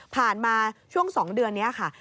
มาช่วง๒เดือนนี้ค่ะ